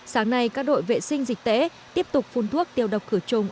sáng nay các đội vệ sinh dịch tễ tiếp tục phun thuốc tiêu đọc cửa trùng